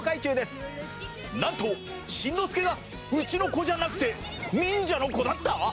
なんとしんのすけがうちの子じゃなくて忍者の子だった！？